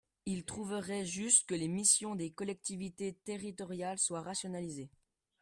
Ils trouveraient juste que les missions des collectivités territoriales soient rationalisées.